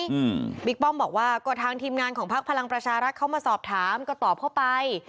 อืมบิ๊กป้อมบอกว่าก็ทางทีมงานของพักพลังประชารัฐเข้ามาสอบถามก็ตอบเข้าไป